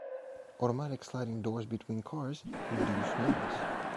Automatic sliding doors between cars reduce noise.